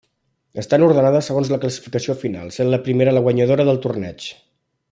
Estan ordenades segons la classificació final, sent la primera la guanyadora del torneig.